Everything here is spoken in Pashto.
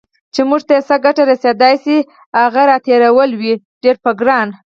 چې موږ ته یې څه ګټه رسېدای شي، هغه راتېرول وي ډیر په ګرانه